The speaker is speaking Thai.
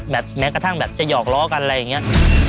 แม้กระทั่งแบบจะหยอกล้อกันอะไรอย่างนี้